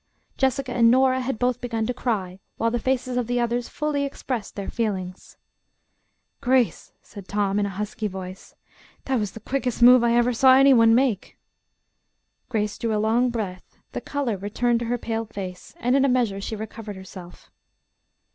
Jessica and Nora had both begun to cry, while the faces of the others fully expressed their feelings. "Grace," said Tom in a husky voice, "that was the quickest move I ever saw any one make." Grace drew a long breath, the color returned to her pale face and in a measure she recovered herself.